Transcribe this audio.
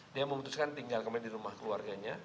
dia memutuskan tinggal kembali di rumah keluarganya